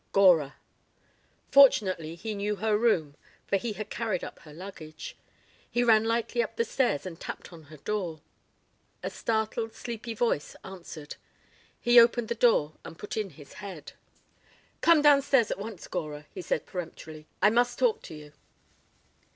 Gora. Fortunately he knew her room for he had carried up her luggage. He ran lightly up the stairs and tapped on her door. A startled sleepy voice answered. He opened the door and put in his head. "Come downstairs at once, Gora," he said peremptorily. "I must talk to you."